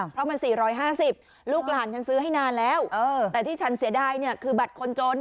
เพราะมัน๔๕๐ลูกหลานฉันซื้อให้นานแล้วแต่ที่ฉันเสียดายเนี่ยคือบัตรคนจน